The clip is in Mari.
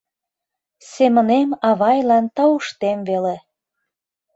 Семынем авайлан тауштем веле.